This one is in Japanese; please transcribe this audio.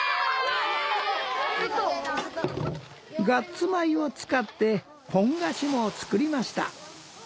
ガッツ米を使ってポン菓子も作りました。